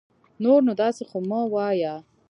نور نو داسي خو مه وايه